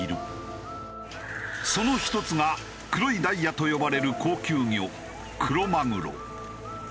その１つが黒いダイヤと呼ばれる高級魚クロマグロ。